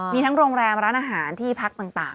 มีทั้งโรงแรมร้านอาหารที่พักต่าง